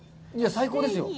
最高ですよ。